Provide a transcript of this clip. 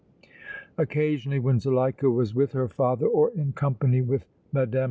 Occasionally, when Zuleika was with her father or in company with Mme.